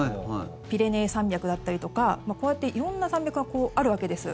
ピレネー山脈だったりとかこうやって色んな山脈があるわけです。